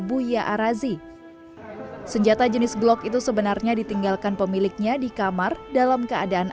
buya arazi senjata jenis glock itu sebenarnya ditinggalkan pemiliknya di kamar dalam keadaan